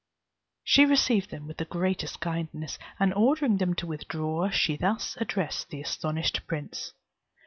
She received them with the greatest kindness; and ordering them to withdraw, she thus addressed the astonished prince.